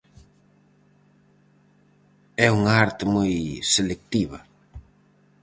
É unha arte moi selectiva.